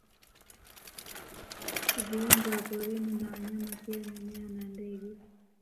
Viumbe wa porini na wanyama pia mimea na ndege